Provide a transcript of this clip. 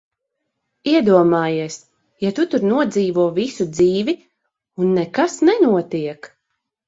Iedomājies, ja tu tur nodzīvo visu dzīvi, un nekas nenotiek!